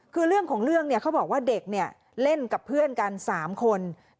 คือเรื่องของเรื่องเขาบอกว่าเด็กเนี่ยเล่นกับเพื่อนกัน๓คน